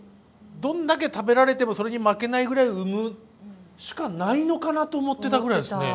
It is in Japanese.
どんだけ食べられてもそれに負けないぐらい産むしかないのかなと思ってたぐらいですね。